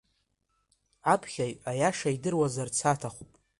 Аԥхьаҩ аиаша идыруазарц аҭахуп.